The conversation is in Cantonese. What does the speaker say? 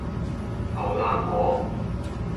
牛腩河